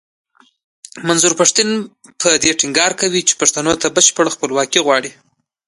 منظور پښتين په دې ټينګار کوي پښتنو ته بشپړه خپلواکي غواړي.